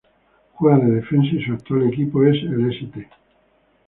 Juega de defensa y su actual equipo es el St.